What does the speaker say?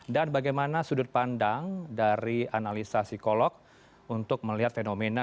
dan bagaimana sudut pandang dari analisa psikolog untuk melihat fenomena